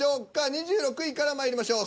２６位からまいりましょう。